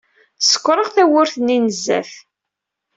Sekkṛeɣ tawwurt-nni n zzat.